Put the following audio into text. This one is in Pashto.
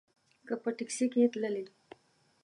که په ټیکسي کې تللې.